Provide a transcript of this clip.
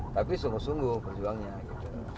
tapi sungguh sungguh perjuangannya gitu